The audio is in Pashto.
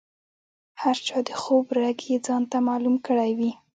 هر چا د خوب رګ یې ځانته معلوم کړی وي.